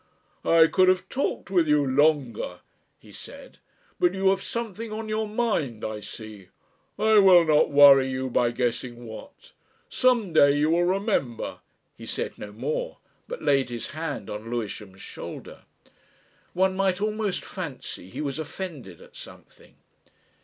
"I could have talked with you longer," he said, "but you have something on your mind, I see. I will not worry you by guessing what. Some day you will remember ..." He said no more, but laid his hand on Lewisham's shoulder. One might almost fancy he was offended at something.